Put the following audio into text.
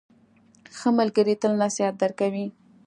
ښه ملګری تل نصیحت درکوي.